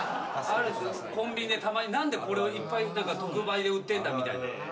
コンビニでたまに何でこれをいっぱい特売で売ってんだみたいな。